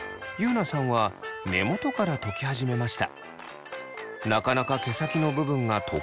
同じように根元からとき始めました。